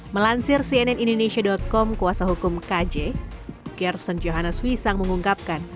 melansir cnn indonesia com kuasa hukum kj gerson johannes wisang mengungkapkan